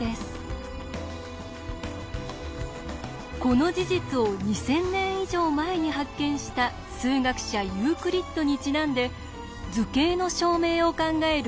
この事実を２，０００年以上前に発見した数学者ユークリッドにちなんで図形の証明を考える